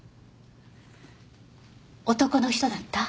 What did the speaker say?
男の人だった？